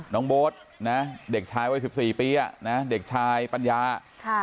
น้องโบ๊ทนะเด็กชายวัยสิบสี่ปีอ่ะนะเด็กชายปัญญาค่ะ